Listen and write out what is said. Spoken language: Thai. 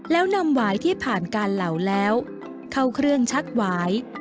แล้วนำหวายที่ผ่านการเหล่าแล้วเข้าเครื่องชักหวาย